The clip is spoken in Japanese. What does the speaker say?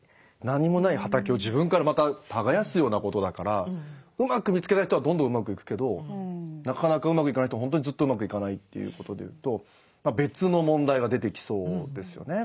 何もない畑を自分からまた耕すようなことだからうまく見つけた人はどんどんうまくいくけどなかなかうまくいかない人はほんとにずっとうまくいかないということでいうと別の問題が出てきそうですよね。